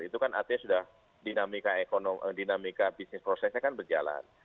itu kan artinya sudah dinamika bisnis prosesnya kan berjalan